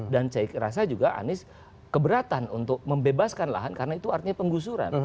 dan saya rasa juga anies keberatan untuk membebaskan lahan karena itu artinya penggusuran